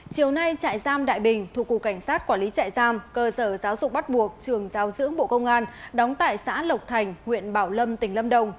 chiều nay trại giam đại bình thuộc cục cảnh sát quản lý trại giam cơ sở giáo dục bắt buộc trường giáo dưỡng bộ công an đóng tại xã lộc thành huyện bảo lâm tỉnh lâm đồng